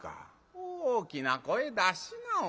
大きな声出しなお前は。